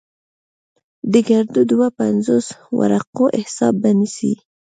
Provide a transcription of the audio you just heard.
د ګردو دوه پينځوس ورقو حساب به نيسې.